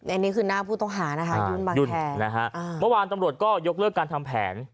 อันนี้คือหน้าผู้ต้องหานะฮะยุ่นนะฮะอ่าเมื่อวานตำรวจก็ยกเลือกการทำแผน